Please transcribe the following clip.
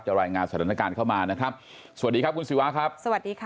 รายงานสถานการณ์เข้ามานะครับสวัสดีครับคุณศิวะครับสวัสดีค่ะ